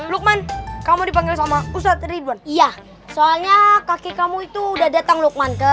lukman kamu dipanggil sama ustadz ridwan iya soalnya kaki kamu itu udah datang lukman ke